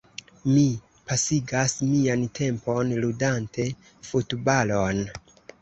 Mi pasigas mian tempon ludante futbalon.